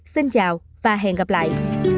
xin chào và hẹn gặp lại